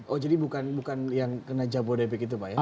oh jadi bukan yang kena jabodebek itu pak ya